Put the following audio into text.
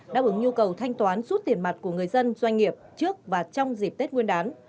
đáp ứng nhu cầu thanh toán rút tiền mặt của người dân doanh nghiệp trước và trong dịp tết nguyên đán